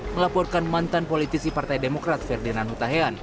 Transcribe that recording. melaporkan mantan politisi partai demokrat ferdinand hutahian